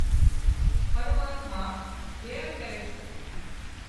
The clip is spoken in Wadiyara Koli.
پرماتما ۮيا ڪري سي